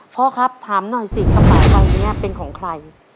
พ่อครับถามหน่อยสิกระเป๋าใบนี้เป็นของใคร